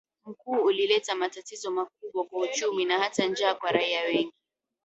mkuu ulileta matatizo makubwa kwa uchumi na hata njaa kwa raia wengi